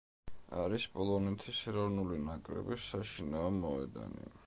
არის პოლონეთის ეროვნული ნაკრების საშინაო მოედანი.